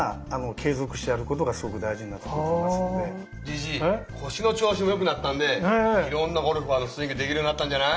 じいじ腰の調子もよくなったんでいろんなゴルファーのスイングできるようになったんじゃない？